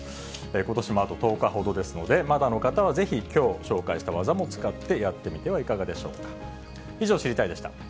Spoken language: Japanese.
ことしもあと１０日ほどですので、まだの方はぜひ、きょう、紹介した技も使ってやってみてはいかがでしょうか。